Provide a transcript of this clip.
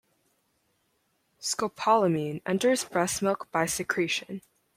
Scopolamine enters breast milk by secretion.